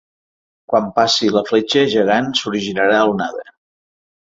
Quan passi la fletxa gegant s’originarà l’onada.